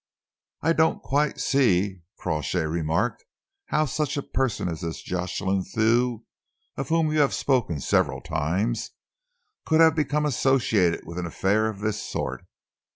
"I don't quite see," Crawshay remarked, "how such a person as this Jocelyn Thew, of whom you have spoken several times, could have become associated with an affair of this sort.